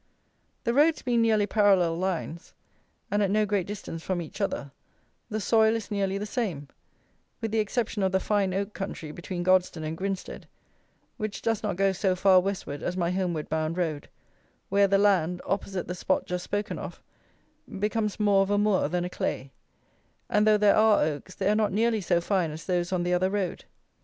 The roads being nearly parallel lines and at no great distance from each other, the soil is nearly the same, with the exception of the fine oak country between Godstone and Grinstead, which does not go so far westward as my homeward bound road, where the land, opposite the spot just spoken of, becomes more of a moor than a clay, and though there are oaks, they are not nearly so fine as those on the other road.